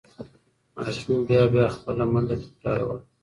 ماشوم بیا بیا خپله منډه تکراروله.